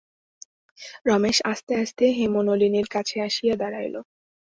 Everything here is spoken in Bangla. রমেশ আস্তে আস্তে হেমনলিনীর কাছে আসিয়া দাঁড়াইল।